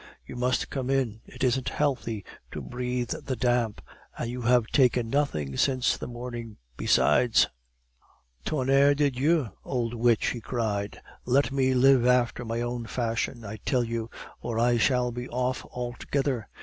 You must come in. It isn't healthy to breathe the damp, and you have taken nothing since the morning, besides." "Tonnerre de Dieu! old witch," he cried; "let me live after my own fashion, I tell you, or I shall be off altogether.